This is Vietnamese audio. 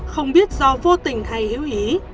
không biết do vô tình hay hữu ý